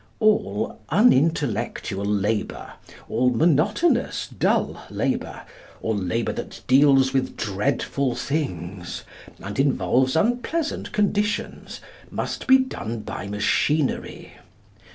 All unintellectual labour, all monotonous, dull labour, all labour that deals with dreadful things, and involves unpleasant conditions, must be done by machinery.